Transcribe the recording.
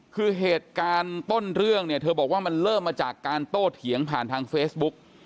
คือเหตุการณ์ต้นเรื่องเนี่ยเธอบอกว่ามันเริ่มมาจากการโต้เถียงผ่านทางเฟซบุ๊ก